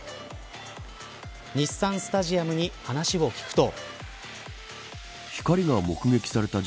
日産スタジアムに話を聞くと。